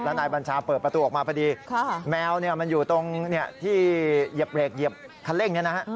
นายบัญชาเปิดประตูออกมาพอดีแมวมันอยู่ตรงที่เหยียบเรกเหยียบคันเร่งนี้นะฮะ